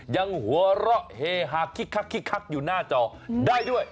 ยังหัวเราะเฮฮาคิกคักอยู่หน้าจอได้ด้วย